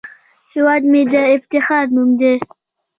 هیواد مې د افتخار نوم دی